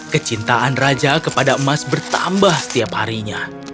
kecintaan raja kepada emas bertambah setiap harinya